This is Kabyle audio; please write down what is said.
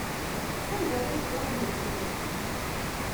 Sanda ay yedda umeddakel-nwen?